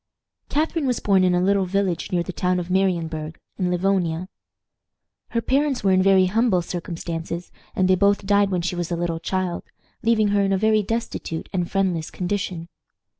Catharine was born in a little village near the town of Marienburg, in Livonia. Her parents were in very humble circumstances, and they both died when she was a little child, leaving her in a very destitute and friendless condition.